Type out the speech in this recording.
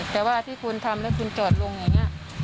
แต่ว่าที่คุณทำแล้วคุณจอดลงอย่างนี้